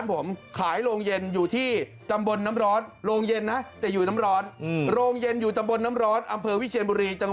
ต้องกี่โสบแล้วพี่